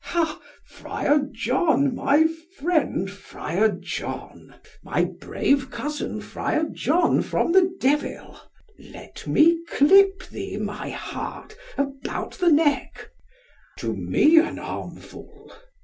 Ha, Friar John, my friend Friar John, my brave cousin Friar John from the devil! Let me clip thee, my heart, about the neck; to me an armful.